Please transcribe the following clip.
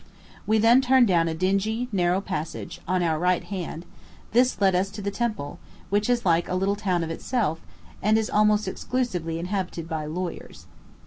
We then turned down a dingy, narrow passage, on our right hand; this led us to the Temple, which is like a little town of itself, and is almost exclusively inhabited by lawyers.